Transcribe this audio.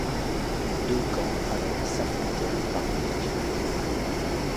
Deux camps alors s'affrontèrent parmi les Turcs.